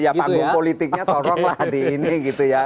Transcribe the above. ya panggung politiknya tolong lah di ini gitu ya